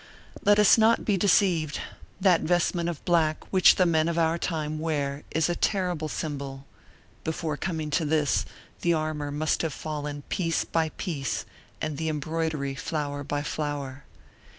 Let us not be deceived: that vestment of black which the men of our time wear is a terrible symbol; before coming to this, the armor must have fallen piece by piece and the embroidery flower by flower.